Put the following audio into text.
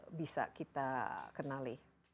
apa bisa kita kenali